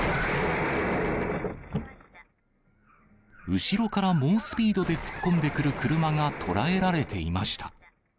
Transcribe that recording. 後ろから猛スピードで突っ込んでくる車が捉えられていました。